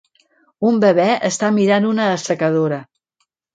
Un bebè està mirant una assecadora.